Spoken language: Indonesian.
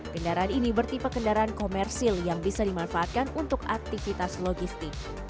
kendaraan ini bertipe kendaraan komersil yang bisa dimanfaatkan untuk aktivitas logistik